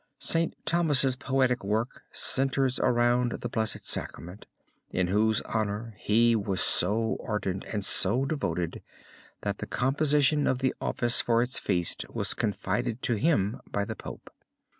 St. Thomas' poetic work centers around the Blessed Sacrament in whose honor he was so ardent and so devoted that the composition of the office for its feast was confided to him by the Pope.